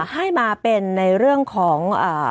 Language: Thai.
ให้มาเป็นในเรื่องของ